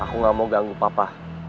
aku gak mau ganggu papa